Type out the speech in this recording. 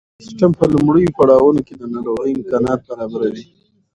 سیسټم په لومړیو پړاوونو کې د ناروغۍ امکانات برابروي.